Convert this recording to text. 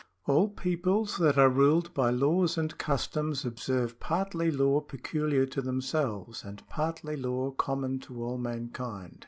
—" All peoples that are ruled by laws and customs observe partly law peculiar to themselves and partly law common to all mankind.